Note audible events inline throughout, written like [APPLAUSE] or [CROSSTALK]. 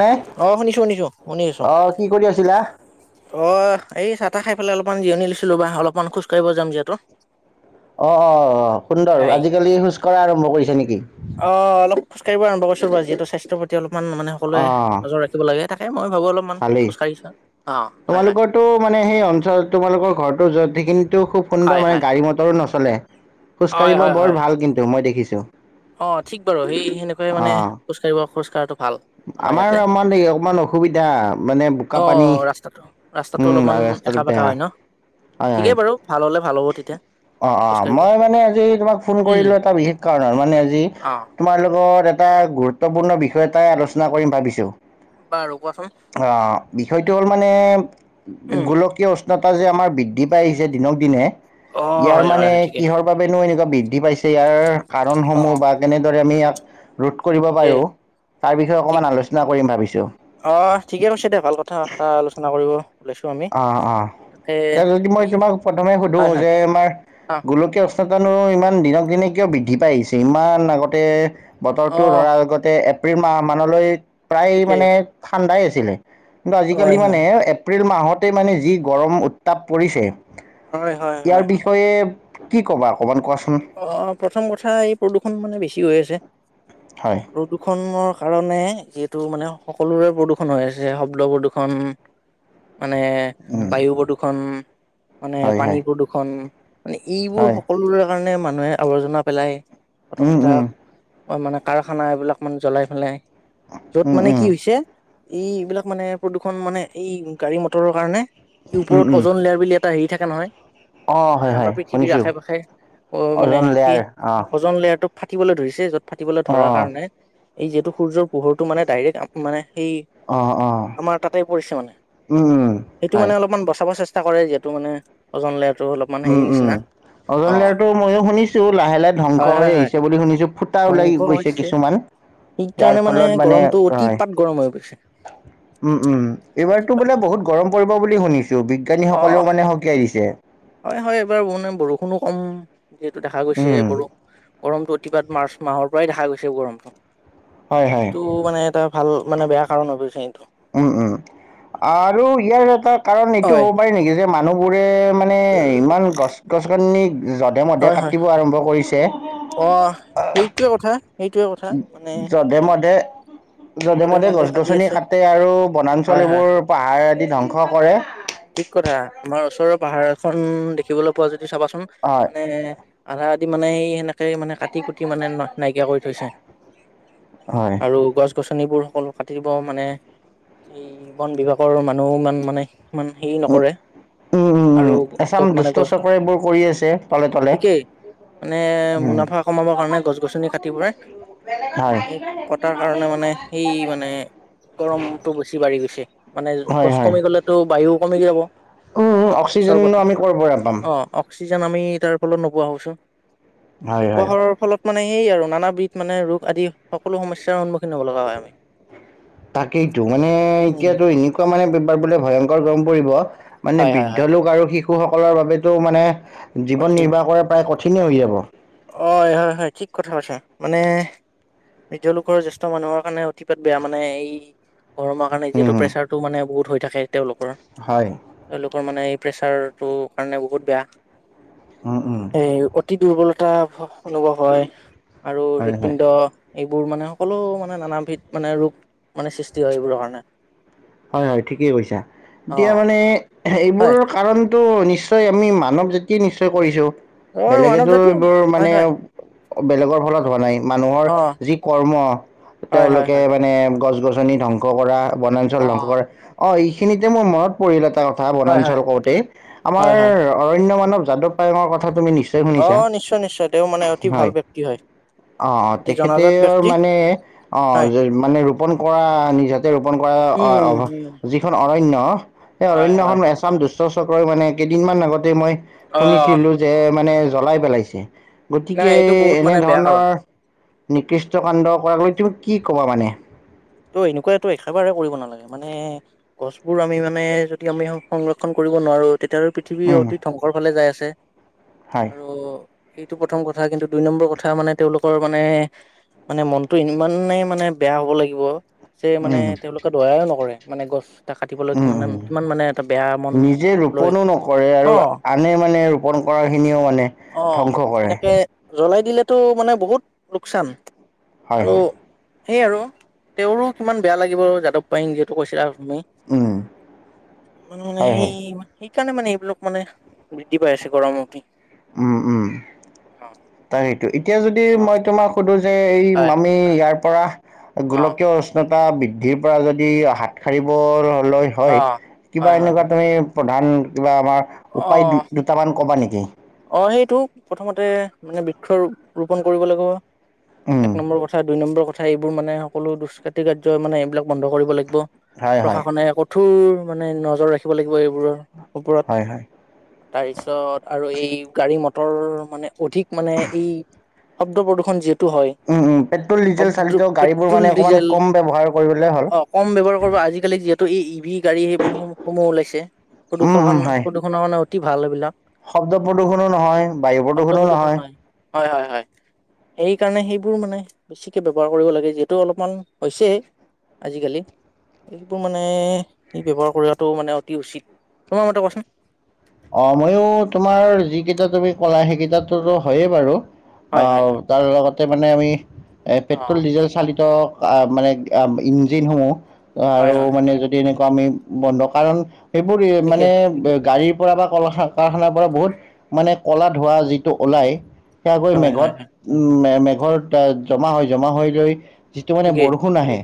নে অহ শুনিছোঁ শুনিছোঁ শুনি আছোঁ। অ' কি কৰি আছিলা? অ এই চাহ-তাহ খাই পেলাই অলপমান জিৰণি লৈছিলো বা অলপমান খোজ কঢ়িব যাম যিহেতু। অ অ সুন্দৰ আজিকালি খোজ কঢ়া আৰম্ভ কৰিছা নেকি? অহ অলপ খোজ কঢ়িব আৰম্ভ কৰিছোঁ বাৰু যিহেতু স্বাস্থ্যৰ প্ৰতি অলপমান মানে সকলোৱে অ' নজৰ ৰাখি থাকিব লাগে তাকে মই ভাবো অলপমান ভালেই। খোজ কাঢ়ি চাওঁ। তোমালোকৰতো মানে সেই অঞ্চল তোমালোকৰ ঘৰতো য'ত সেইখিনিতো খুব হয় সুন্দৰ মানে হয় গাড়ী মটৰো নচলে হয় খোজকাঢ়িব হয় হয় বৰ ভাল কিন্তু মই দেখিছোঁ। অ ঠিক বাৰু সেই সেনেকুৱাই মানে অ'। খোজ কঢ়িব খোজ কঢ়াটো ভাল। আমাৰ ইয়াতে আমানেক [UNINTELLIGIBLE] অসুবিধা মানে বোকা অ পানী ৰাস্তাটো ৰাস্তাটো উম অলপমান আৰু ৰাস্তাটো একা বেকা বেয়া। হয় ন হয় হয় ঠিকেই বাৰু ভাল হলে ভাল হ'ব তেতিয়া অ অ খোজ কাঢ়িব মই মানে আজি তোমাক ফোন উম কৰিলো এটা বিশেষ শেষ কাৰণত মানে আজি অ তোমাৰ লগত এটা গুৰুত্বপূৰ্ণ বিষয় এটাই আলোচনা কৰিম ভাবিছোঁ। বাৰু কোৱাচোন। বিষয়টো হ'ল মানে উম গোলকীয় উষ্ণত উষ্ণতাত যে আমাৰ বৃদ্ধি পায় আহিছে দিনক দিনে অ ইয়াৰ হয় হয় মানে ঠিকে কিহৰ বাবেনো এনেকুৱা বৃদ্ধি পাইছে ইয়াৰ অ কাৰণসমূহ বা কেনেদৰে আমি ইয়াক ৰোধ কৰিব ঠিকে পাৰোঁ তাৰ বিষয়ে অকণমান আলোচনা কৰিম ভাবিছোঁ। অ ঠিকে কৈছে দে ভাল কথা এটা আলোচনা কৰিব। ওলাইছো আমি অ অ তাকে এতিয়া যদি মই এই তোমাক প্ৰথমে সুধো হয় হয় আমাৰ অ গোলকীয় উষ্ণতানো ইমান দিনক দিনে কিয় বৃদ্ধি পাই আহিছে ইমান আগতে অ বতৰটো ধৰাৰ আগতে এপ্ৰিল মাহমানলৈ প্ৰায় ঠিকেই মানে ঠাণ্ডাই আছিলে। কিন্তু আজিকালি হয় হয় মানে এপ্ৰিল মাহতেই মানে যি গৰম উত্তাপ পৰিছে। হয়-হয়-হয়। তই এই কি ক'বা অকমান কোৱা চোন? অঁ! প্ৰথম কথা এই প্ৰদূষণ মানে বেছি হৈ আছে। হয়। প্ৰদূষণৰ কাৰণে যিহেতু মানে সকলোৰে প্ৰদূষণ হৈ আছে। শব্দ প্ৰদূষণ [UNINTELLIGIBLE] মানে উম, বায়ু প্ৰদূষণ, মানে হয়, পানী হয়, প্ৰদূষণ। মানে এইবোৰ হয়, সকলোৰে কাৰণে মানুহে আৱৰ্জনা পেলাই প্ৰথম উম, কথা। উম, অ মানে কাৰখানা এইবিলাক মানে জ্বলাই পেলাই য'ত উম, মানে কি উম, হৈছে এইবিলাক মানে প্ৰদূষণ মানে এই গাড়ী, মটৰৰ কাৰণে ই উম, ওপৰত উম, অজন লেয়াৰ বুলি এটা হেৰি থাকে নহয় অ', মানে হয়, আমাৰ হয়, পৃথিৱীৰ শুনিছোঁ আশে-পাশে অ মানে অজন লেয়াৰ সেই অ', অজ অজন লেয়াৰটো ফাটিবলৈ ধৰিছে য'ত ফাটিবলৈ ধৰাৰ অ', কাৰণে এই যিহেতু সূৰ্যৰ পোহৰটো মানে ডাইৰেক্ট মানে সেই অ', অ'। আমাৰ তাতে পৰিছে মানে। উম উম সেইটো হয় মানে অলপমান বচাব চেষ্টা কৰে যিহেতু মানে অজন লেয়াৰটো অলপমান উম হেৰি উম নিচিনা। অজন অ লেয়াৰতো মইয়ো শুনিছোঁ লাহে-লাহে ধ্বংস হয় হৈ হয় হয় আহিছে বুলি শুনিছোঁ। ফুটা ওলাই ধ্বংস গৈছে হৈছে কিছুমান। যাৰ সেইকাৰণে মানে ফলত গৰমটো অতি পাত গৰম হৈ গৈছে। উম-উম! এইবাৰতো বোলে বহুত গৰম পৰিব বুলি শুনিছোঁ। বিজ্ঞানীসকলেও মানে সকিয়াই দিছে। হয়-হয়! এইবাৰ মানে বৰষুণো কম যিহেতু দেখা গৈছে উম বৰ গৰমটো অতিপাত মাৰ্চ মাহৰ পৰাই দেখা গৈছে গৰমটো। হয় হয় তো মানে এটা ভাল মানে বেয়া কাৰণ হৈছে এইটো। উম-উম! আৰু ইয়াৰ এটা কাৰণ এইটো হয় হ'ব পাৰে নেকি যে মানুহবোৰে মানে মানে ইমান গছ-গছনি যধে-মধে কাটিব আৰম্ভ কৰিছে। অঁ! সেইটোৱেই কথা। সেইটোৱে কথা মানে যধে-মধে যধে যধে-মধে মধে কাটি গছ-গছনি আছে কাটে আৰু বনাঞ্চল হয় হয় এইবোৰ হয় পাহাৰ আদি ধ্বংস কৰে। ঠিক কথা আমাৰ ওচৰৰ পাহাৰ এখন দেখিবলৈ পোৱা যদি চাবা চোন হয় মানে আধা আধি মানে সেই সেনেক সেই মানে কাটি কুটি মানে নাইকিয়া কৰি থৈছে। হয় আৰু গছ গছনিবোৰ সকলো কাটিব মানে এই বন বিভাগৰ মানুহ ইমান মানে ইমান হেৰি উম নকৰে। উম উম আৰু উম এচাম য'ত মানে দুষ্ট গছ চক্ৰই এইবোৰ কৰি আছে তলে তলে ঠিকেই মানে উম মুনাফা কমাবৰ কাৰণে গছ-গছনি কাটি ফুৰে। হয় এই কটাৰ কাৰণে মানে সেই মানে গৰমটো বেছি বাঢ়ি গৈছে মানে হয় গছ হয় কমি গ'লে তো বায়ু কমি যাব। উম উম গছৰ অক্সিজেনো বতাহ আমি ক'ৰ পৰা পাম অঁ অক্সিজেন আমি তাৰ ফলত নোপোৱা হৈছোঁ। হয় নোপোৱা হয় হোৱাৰ ফলত মানে সেই আৰু নানা বিধ মানে ৰোগ আদি সকলো সমস্যাৰ সন্মুখীন হব লগা হয় আমি তাকেইতো মানে উম এতিয়াতো এনে এনেকুৱা মানে এইবাৰ বোলে ভয়ংকৰ গৰম পৰিব মানে হয় হয় বৃদ্ধ হয় লোক আৰু শিশু শিশুসকলৰ বাবেতো মানে অতি জীৱন নিৰ্বাহ কৰা প্ৰায় কঠিনেই হৈ যাব। অ! হয়-হয়-হয় ঠিক কথা কৈছা। মানে বৃদ্ধ লোকৰ জ্যেষ্ঠ মানুহৰ কাৰণে অতিপাত বেয়া মানে এই গৰমৰ কাৰণে উম যিহেতু হম প্ৰেছাৰটো মানে বহুত হৈ থাকে তেওঁলোকৰ। হয় তেওঁলোকৰ মানে এই প্ৰেচাৰটো কাৰণে বহুত বেয়া। উম উম। এই অতি দুৰ্বলতা অনুভৱ হয় আৰু হয় হয় হৃদপিণ্ড এইবোৰ মানে সকলো মানে নান বিধ মানে ৰোগ মানে সৃষ্টি হয় এইবোৰৰ কাৰণে‌‌। হয় হয় ঠিকেই কৈছা অ এতিয়া মানে হয় এইবোৰৰ কাৰণ টো নিশ্চয় আমি মানৱ জাতিয়ে নিশ্চয় কৰিছো অ মানৱ বেলেগেতো জাতি এইবোৰ হয় মানে হয় বেলেগৰ ঘৰত হোৱা নাই। মানুহৰ অ যি কৰ্ম হয় হয় তেওঁলোকে হয় মানে গছ গছনি ধ্বংস কৰা বন বনাঞ্চল অ ধ্বংস কৰে। অ' এই খিনিতে মোৰ মনত পৰিলে এটা কথা হয় হয় বনাঞ্চল কওতে আমাৰ হয় হয় অৰণ্য মানৱ যাদৱ পায়েঙৰ কথা তুমি নিশ্চয় শুনিছা অ' নিশ্চয় নিশ্চয় তেওঁ মানে অতি ভাল ব্যক্তি হয়। অতি জনাজাত অ'তেখেতেৰ ব্যক্তি মানে হয় অ' মানে ৰোপন কৰা নিজা ৰোপণ উম কৰা। উম যিখন অৰণ্য সেই হয় হয় অৰণ্যখন এছাম দুষ্ট চক্ৰই মানে কেইদিনমান আগতে মই অ শুনিছিলো যে মানে জ্বলাই পেলাইছে নাই গতিকে এইটো বহুত এনে মানে বেয়া কাৰণ ধৰণৰ নিকৃষ্ট কাণ্ড কৰাকৈ তুমি কি ক'বা মানে ত' এনেকুৱাটো একেবাৰে কৰিব নালাগে মানে। গছবোৰ আমি মানে যদি আমি সংৰক্ষণ কৰিব নোৱাৰো তেতিয়া পৃথিৱী উম অতি ধ্বংসৰ ফালে যাই আছে হয় আৰু সেইটো প্ৰথম কথা কিন্তু দুই নম্বৰ কথা মানে তেওঁলোকৰ মানে মানে মনতটো ইমানে মানে বেয়া হ'ব লাগিব যে মানে উম তেওঁলোকে দয়াই নকৰে মানে গছ এটা কাটিবলৈ মানে উম কিমান মানে এটা বেয়া মন নিজে লৈ ৰোপনো নকৰে অ আৰু আনে মানে ৰোপণ কৰাখিনিও মানে অ ধ্বংস কৰে। এনেকে জ্বলাই দিলেতো মানে বহুত লোকচান হয় আৰু হয় সেয়ে আৰু। তেওঁৰো কিমান বেয়া লাগিব যাদৱ পায়েঙে সেইটো কৈছিলা আপুনি। উম মানে হয় সেই হয় সেইকাৰণে মানে এইবিলাক মানে বৃদ্ধি পাই আছে গৰমৰতে। উম উম তাক সেইটো এতিয়া যদি অ মই তোমাক সুধোঁ যে এই হয় আমি ইয়াৰ পৰা অ গোলকীয় উষ্ণ উষ্ণতা বৃদ্ধিৰ পৰা যদি হাত সাৰিবলৈ অ হয় কিবা হয় হয় এনেকুৱা হয় তুমি প্ৰধান কিবা আমাৰ অ উপায় দুটামান ক'বা নেকি? অ এইটো প্ৰথমতে মানে বৃক্ষ ৰোপন কৰিব লাগিব উম, এক নম্বৰ কথা। কথা দুই নম্বৰ কথা এইবোৰ মানে সকলো দুষ্কাাতি কাৰ্য মানে এইবিলাক বন্ধ কৰিব লাগিব। হয় হয় প্ৰশাসনে কঠোৰ মানে নজৰ ৰাখিব লাগিব এইবোৰৰ হয় ওপৰত। হয় তাৰ পিছত আৰু এই গাড়ী মটৰ মানে অধিক মানে এই শব্দ প্ৰদূষণ যিহেতু হয় পেট্ৰল ডিজেল শব্দ চালিত গাড়ীবোৰ পেট্ৰল মানে অকণমান ডিজেল কম ব্যৱহাৰ কৰিবলৈ হ'ল। অ কম ব্যৱহাৰ কৰিব আজিকালি যিহেতু এই ই ভি গাড়ী সেইবোৰ সমূহ ওলাইছে উম উম প্ৰদূষণ হয় প্ৰদূষণ কাৰণে মানে অতি ভাল এইবিলাক। শব্দ প্ৰদূষণো নহয় বায়ু শব্দ প্ৰদূষণো প্ৰদূষণ নহয়। হয় হয় হয়। সেইকাৰণে সেইবোৰ মানে বেছিকে ব্যৱহাৰ কৰিব লাগে যিহেতু অলপমান হৈছে। আজিকালি। এইবোৰ মানে ব্যৱহাৰ কৰাটো মানে অতি উচিত তোমাৰ মতে কোৱাচোন। অ ময়ো তোমাৰ যিকেইটা তুমি কলা সেইকেইটাটো হয়য়ে বাৰু হয় হয় অ'। হয় তাৰ লগতে মানে আমি অ পেট্ৰল ডিজেল চালিত- আঁ মানে আঁ ইঞ্জিনসমূহ হয় আৰু হয় মানে যদি এনেকুৱা আমি বন্ধ কাৰণ- সেইবোৰ ঠিকে মানে গাড়ী- পৰা বা কলা কাৰখানাৰ পৰা বহুত মানে কলা ধোৱা যিটো ওলাই- সেয়া গৈ হয় মেঘত হয় হয় মেঘৰ জমা হৈ জমা হৈ লৈ- যিটো মানে ঠিকেই বৰষুণ আহে।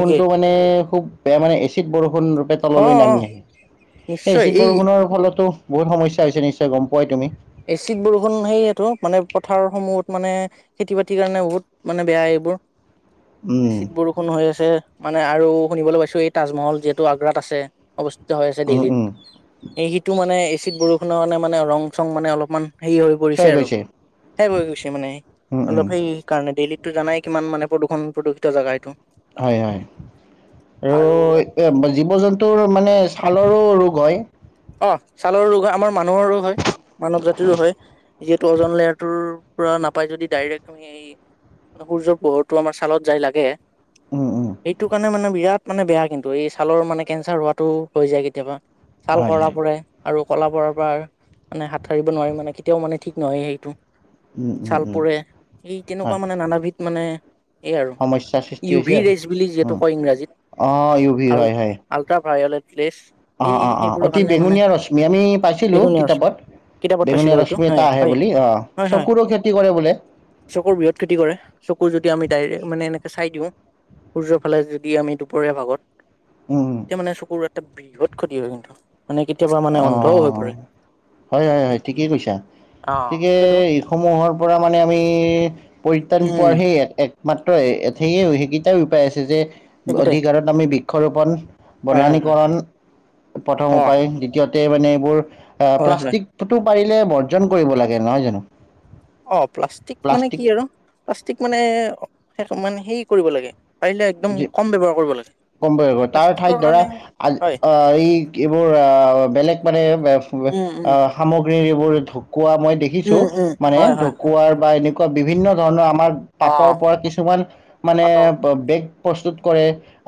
ঠিকেই মানে খুব বেয়া মানে এচিড বৰষুণ ৰূপে- অ তললৈ অ নামি আহি। এই এচিদ বৰষুণৰ ফলতো বহুত সমস্যা হৈছে নিশ্চয় গম পোৱাই তুমি? এচিক বৰষুণ সেইয়াতো মানে পথাৰসমূহত মানে- খেতি বাতিৰ কাৰণে বহুত মানে বেয়া এইবোৰ। উম এচিদ বৰষুণ হৈ আছে। মানে আৰু শুনিবলৈ পাইছো এই তাজমহল যিহেতু আগ্ৰাত আছে- অৱস্থিত হৈ আছে উম দিল্লীত। উম এই সিটো মানে এচিদ বৰষুণৰ কাৰণে মানে ৰং চং মানে অলপমান- হেৰি হৈ পৰিছে ক্ষয় আৰু। গৈছে সেষ হৈ গৈছে মানে উম উম অলপ সেইকাৰণে ডেইলিত- এইটো জানাই কিমান মানে প্ৰদূষণ প্ৰদূষিত জাগা এইটো। হয়, হয়। আৰু আৰু জীৱ জন্তু মা- নে ছালৰো ৰোগ হয়। অ, ছালৰ ৰোগ হয়। আমাৰ মানুহৰ ৰোগ হয়। মানৱ জাতিৰো হয়। যিহেতু অজন লেয়াৰটোৰ পৰা নাপাই যদি ডাইৰেক্ট আমি- সূৰ্যৰ পোহৰটো আমাৰ ছালত যাই লাগে। উম উম সেইটো কাৰণে মানে বিৰাট- মানে বেয়া কিন্তু এই ছালৰ মানে কেঞ্চাৰ হোৱাটো হৈ যায় কেতিয়াবা। ছাল হয় কলা হয় পৰে- আৰু কলাপৰাৰ পৰা মানে হাত সাৰিব নোৱাৰিম মানে কেতিয়াও মানে ঠিক নহয় সেইটো। উম উম চাল উম পোৰে। সেই তেনেকুৱা হয় মানে নানাবিধ মানে- এই আৰু। সমস্যাৰ সৃষ্টি ইউ হৈছে ভি আৰু ৰেচ বুলি যিহেতু উম কয় ইংৰাজীত। অঁ ইউ ভি আৰু- আল্ট্ৰাভায়লট প্লেছ- অ, অ, অ, অতি বেঙুনীয়া ৰশ্মি আমি পাইছিলো বেঙুনীয়া হৈছে কিতাপত। কিতাপত পাইছিলো বেঙুনীয়া হয়তো ৰশ্মি এটা হয় আহে হয় বুলি। অঁ হয় হয় চকুৰো খেতি কৰে বোলে। চকুৰ বিহত খেতি কৰে। চকু যদি আমি ডাইৰেক্ট মানে এনেকে চাই দিওঁ- সূৰ্যৰ ফালে যদি আমি দুপৰীয়া ভাগত উম তেতিয়া মানে চকুৰ এটা বৃহৎ ক্ষতি হয়। কিন্তু- মানে কেতিয়াবা- মানে অন্ধও হৈ অঁ, পৰে। হয় হয় হয়, ঠিকেই কৈছা। অ সেইটোয়েতো গতিকে- সমূহৰ পৰা মানে আমি পৰিত্ৰাণ পোৱাৰ উম সেই এক এক- মাত্ৰ সেইয়ে সেইকেইটাই উপায় আছে যে সেইকেইটাই অধিকাৰত আমি বৃক্ষৰোপন- হয় হয় হয় বননীকৰণ প্ৰথম অ উপায়, দ্বিতীয়তে মানে এইবোৰ এ হয় হয় প্লাষ্টিক- টো পাৰিলে বৰ্জন কৰিব লাগে নহয় জানো? অ, প্লাষ্টিক মানে কি প্লাষ্টিক আৰু প্লাষ্টিক মানে, মানে হেৰি কৰিব লাগে। পাৰিলে একদম কম ব্যৱহাৰ কৰিব- লাগে কম পৰিব তাৰ প্লাষ্টিকৰ ঠাইত কাৰণে ধৰা- আল হয় অঁ, এই এইবোৰ আহ বেলেগ মানে উম উম আঁ- সামগ্ৰীৰ এইবোৰ ঢকুৱা মই দেখিছো। উম উম মানে হয় হয় ঢকুৱাৰ- বা এনেকুৱা বিভিন্ন ধৰণৰ আমাৰ অ পাতৰ পৰা কিছুমান মানে পাতৰ বেগ- প্ৰস্তুত কৰে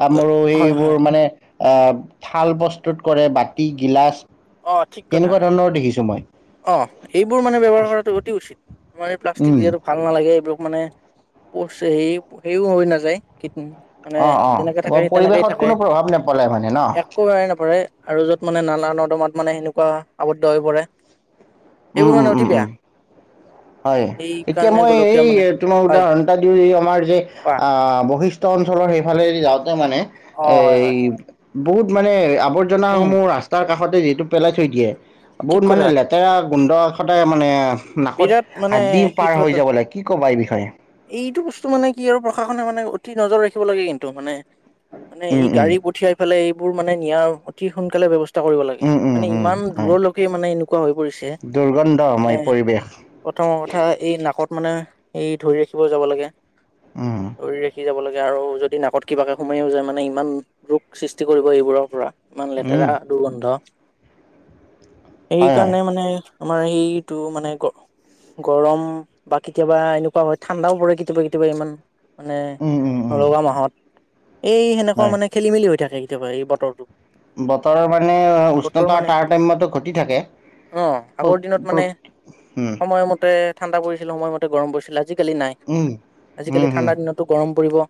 আমাৰো হয় হয় এইবোৰ মানে- আহ থাল প্ৰস্তুত কৰে বাতি গিলাচ তেনেকুৱা ধৰণৰ দেখিছোঁ মই। অঁ, এইবোৰ মানে ব্যৱহাৰ কৰাটো অতি উচিত। মানে প্লাষ্টিক যিহেতু- ভাল নালাগে এইবোৰক মানে। প হেৰি হেৰিও হৈ নাযায়। মানে অঁ অঁ যেনেকে থাকে সেই তেনেকেই পৰিৱেশত থাকে। কোনো প্ৰভাৱ নেপেলাই মানে ন একো সেই নপৰে। আৰু য'ত মানে নানা নৰ্দমাত মানে সেনেকুৱা আৱদ্ধ হৈ পৰে। এইবোৰ মানে অতি বেয়া উমঁ-উমঁ-উমঁ-উমঁ, হয়। এতিয়া সেইকাৰণে মই এই গোলকীয়া মানে তোমাৰ হয় উদাহৰণ এটা দিওঁ এই আমাৰ যে কোৱা আঁহ', বশিষ্ট [UNINTELLIGIBLE] অঞ্চলৰ সেইফালে যাওঁতে মানে অ হয় এই হয় বহুত মানে আবৰ্জনা- উম ৰাস্তাৰ কাষতে যিহেতু পেলাই থৈ দিয়ে, ঠিক বহুত মানে কথা লেতেৰা গোন্ধ এশদ মানে নাকত বিৰাট মানে হাত দি পাৰ সেইটো হৈ এটা যাব লাগে, কি ক'বা এই বিষয়ে? এইটো বস্তু মানে কি আৰু প্ৰশাসনে মানে অতি নজৰ ৰাখিব লাগে। কিন্তু মানে - মানে ই উম উম গাড়ী পঠিয়াই পেলাই এইবোৰ মানে নিয়াৰ অতি সোনকালে ব্যৱস্থা- কৰিব লাগে। উম উম মানে উম ইমান হয় দূৰলৈকে মানে এনেকুৱা হৈ পৰিছে দুৰ্গন্ধময় মানে- পৰিৱেশ প্ৰথমৰ কথা এই নাকত মানে এই ধৰি ৰাখিব যাব লাগে। উম ধৰি ৰাখি যাব লাগে আৰু যদি নাকত- কিবাকে সোমাইও যায় মানে ইমান ৰোগ সৃষ্টি কৰিব এইবোৰৰ পৰা ইমান উম লেতেৰা- দুৰ্গন্ধ। সেই হয় হয় কাৰণে মানে আমাৰ এইটো মানে- গৰম বা কেতিয়াবা এনেকুৱা হয় ঠাণ্ডাও পৰে কেতিয়াবা-কেতিয়াবা ইমান- মানে উম উম উম নলগা মাহত। এই সেনেকুৱা হয় মানে খেলি মেলি হৈ থাকে কেতিয়াবা এই বতৰটো। বতৰৰ মানে বতৰ উষ্ণতা মানে তাৰ টাইমতো ঘটি থাকে। অ আগৰ দিনত মানে উমঁ। সময়মতে ঠাণ্ডা পৰিছিল, সময়মতে গৰম পৰিছিলে আজিকালি নাই, উম, আজিকালি ঠাণ্ডা দিন- টো গৰম পৰিব।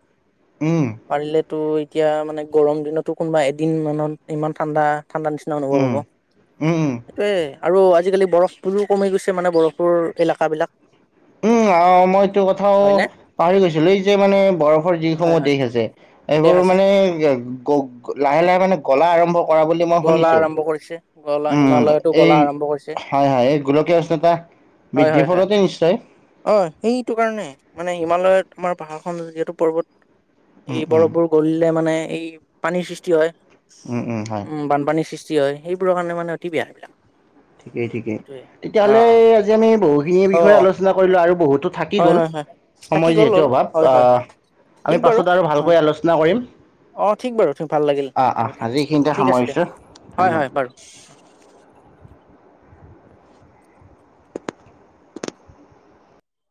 উমঁ। পাৰিলেতো এতিয়া মানে গৰম দিনতো কোনোবা এদিন মানত ইমান ঠাণ্ডা- ঠাণ্ডা নিচিনা অনুভৱ উম, হ'ব। উম, এই আৰু আজিকালি বৰফ বোৰো কমি গৈছে- মানে বৰষুৰ এলেকাবিলাক- উমঁ, আহ', -মই এইটো কথাও হয়নে? পাহৰি গৈছিলো এই যে মানে বৰফৰ যি হয় সমূহ হয় দেশ আছে। দেশ এইবোৰ আছে মানে লাহে-লাহে মানে গ'লা আৰম্ভ কৰা বুলি- মই গলা শুনিছো। আৰম্ভ কৰিছে গলা উমঁ, হিমালয়তো এই গলা আৰম্ভ কৰিছে। হয়-হয়, এই গোলকীয় উষ্ণতা- হয় বৃদ্ধিৰ হয় হয়। ফলতে নিশ্চয়। অ' সেইটো কাৰণে মানে হিমালয়ত আমাৰ পাহাৰখন যিহেতু পৰ্বত উম, এই উম, বৰফবোৰ- গলিলে মানে এই পানীৰ সৃষ্টি হয়। উমঁ-উমঁ, হয়। উম বানপানীৰ সৃষ্টি হয় সেইবোৰৰ কাৰণে মানে অতি বেয়া। ঠিকেই-ঠিকেই। সেইটোয়ে অ তেতিয়াহ'লে আজি আমি বহুখিনিৰ অ বিষয়ে আলোচনা কৰিলো আৰু বহুতো- থাকি হয় গ'ল, হয় হয় থাকি সময় গ'ল যিহেতু অলপ অভাৱ। হয় হয় হয় আঁহ', আমি পাছত আৰু ভালকৈ আলোচনা কৰিম। অঁ', -ঠিক বাৰু ভাল লাগিল আহ কথা আহ পাতি, আজি এইখিনিতে ঠিক আছে দিয়া, সামৰিছো ধন্যবাদ। হয়-হয় বাৰু।